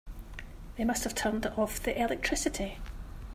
They must have turned off the electricity.